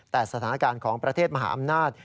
แต่สถานการณ์ของประเทศมหาอำนาจ